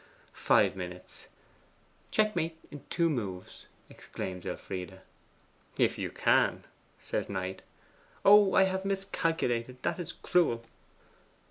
Five minutes: 'Checkmate in two moves!' exclaims Elfride. 'If you can,' says Knight. 'Oh, I have miscalculated; that is cruel!